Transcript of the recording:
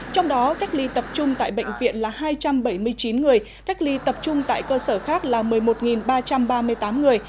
trong đó cách ly tập trung tại bệnh viện là hai trăm bảy mươi chín người cách ly tập trung tại cơ sở khác là một mươi một ba trăm ba mươi tám người